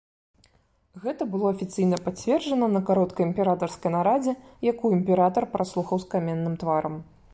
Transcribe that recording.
Гэта было афіцыйна пацверджана на кароткай імператарскай нарадзе, якую імператар праслухаў з каменным тварам.